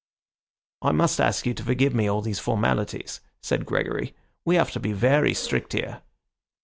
"I must ask you to forgive me all these formalities," said Gregory; "we have to be very strict here."